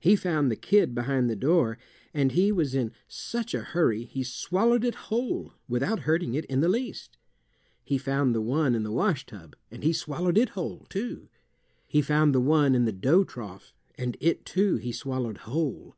He found the kid behind the door, and he was in such a hurry he swallowed it whole without hurting it in the least. He found the one in the wash tub, and he swallowed it whole, too. He found the one in the dough trough, and it, too, he swallowed whole.